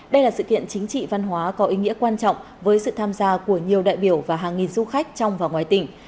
đây là sự kiện chính trị văn hóa có ý nghĩa quan trọng với sự tham gia của nhiều đại biểu và hàng nghìn du khách trong và ngoài tỉnh